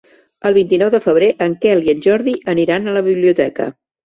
El vint-i-nou de febrer en Quel i en Jordi aniran a la biblioteca.